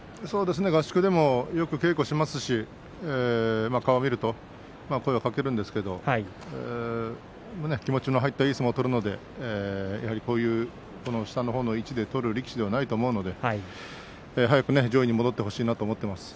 合宿でもよく稽古しますし、顔を見ると声をかけるんですけど気持ちが入ったいい相撲を取るのでこの下のほうの位置で取る力士ではないと思うので早く上位に戻ってほしいなと思っています。